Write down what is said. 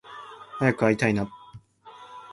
早く会いたいな